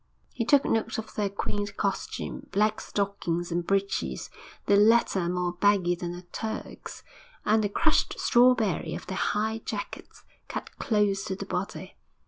He took note of their quaint costume black stockings and breeches, the latter more baggy than a Turk's, and the crushed strawberry of their high jackets, cut close to the body.